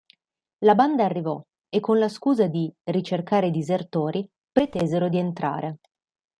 La banda arrivò, e con la scusa di "ricercare disertori" pretesero di entrare.